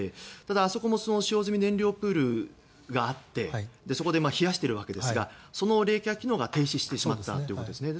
ただ、あそこも使用済み燃料プールがあって冷やしているわけですがその冷却機能が停止してしまったということです。